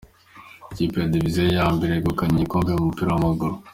Ikipe ya Diviziyo ya mbere yegukanye igikombe mu mupira w’amaguru.